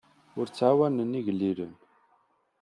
Ur ttɛawanen igellilen.